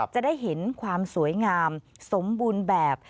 จะได้เห็นความสวยงามสมบูรณ์แบบ